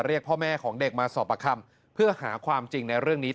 เรียกพ่อแม่ของเด็กมาสอบประคำเพื่อหาความจริงในเรื่องนี้